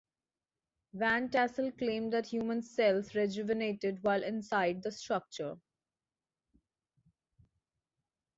Van Tassel claimed that human cells "rejuvenated" while inside the structure.